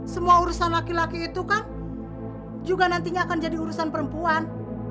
semua urusan laki laki itu kan juga nantinya akan jadi urusan perempuan